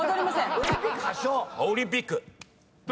オリンピック。